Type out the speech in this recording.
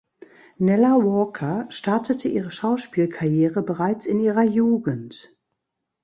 Nella Walker startete ihre Schauspielkarriere bereits in ihrer Jugend.